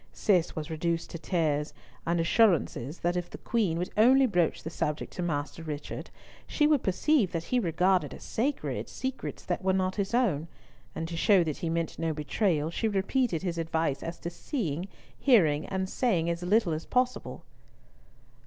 Cis was reduced to tears, and assurances that if the Queen would only broach the subject to Master Richard, she would perceive that he regarded as sacred, secrets that were not his own; and to show that he meant no betrayal, she repeated his advice as to seeing, hearing, and saying as little as possible.